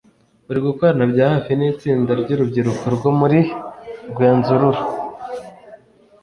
uri gukorana bya hafi n’itsinda ry’urubyiruko rwo muri Rwenzururu